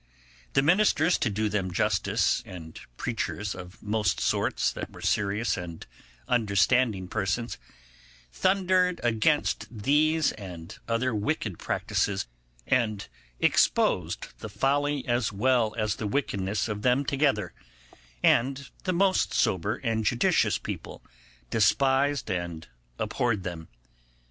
The ministers, to do them justice, and preachers of most sorts that were serious and understanding persons, thundered against these and other wicked practices, and exposed the folly as well as the wickedness of them together, and the most sober and judicious people despised and abhorred them.